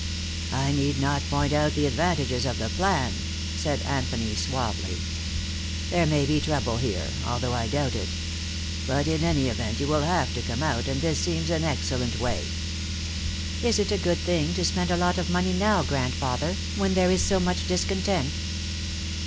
"I need not point out the advantages of the plan," said Anthony suavely. "There may be trouble here, although I doubt it. But in any event you will have to come out, and this seems an excellent way." "Is it a good thing to spend a lot of money now, grandfather, when there is so much discontent?"